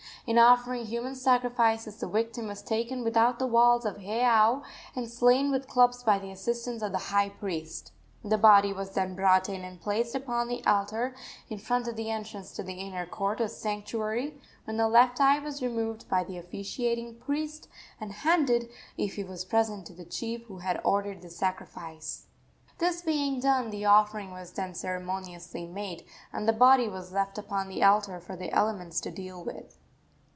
In offering human sacrifices the victim was taken without the walls of the heiau and slain with clubs by the assistants of the high priest. The body was then brought in and placed upon the altar in front of the entrance to the inner court, or sanctuary, when the left eye was removed by the officiating priest, and handed, if he was present, to the chief who had ordered the sacrifice. This being done, the offering was then ceremoniously made, and the body was left upon the altar for the elements to deal with.